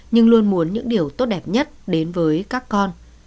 nhưng luôn muốn những điều tốt đẹp nhất đến với các con